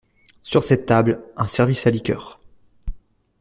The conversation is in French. Sur cette table, un service à liqueurs.